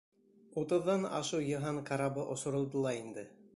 Утыҙҙан ашыу йыһан карабы осоролдо ла инде.